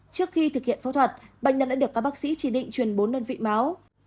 trước khi thực hiện phẫu thuật bệnh nhân đã được các bác sĩ chỉ định truyền bốn đơn vị máu